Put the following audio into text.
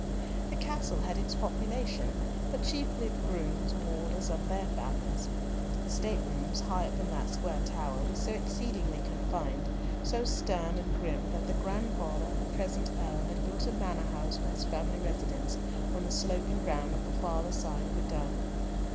The castle had its population, but chiefly of grooms, warders, and their families. The state rooms high up in that square tower were so exceedingly confined, so stern and grim, that the grandfather of the present earl had built a manor house for his family residence on the sloping ground on the farther side of the Dun.